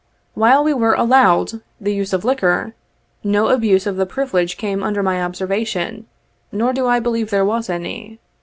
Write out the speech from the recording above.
While we were allowed the use of liquor, no abuse of the privilege came under my observa tion, nor do I believe there was any.